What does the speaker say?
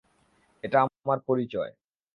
এটা আমার পরিচয়।